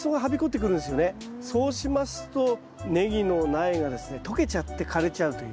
そうしますとネギの苗がですね溶けちゃって枯れちゃうという。